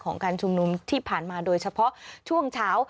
การชุมนุมที่ผ่านมาโดยเฉพาะช่วงเช้า